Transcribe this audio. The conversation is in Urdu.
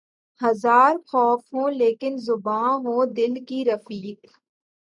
ہزار خوف ہو لیکن زباں ہو دل کی رفیق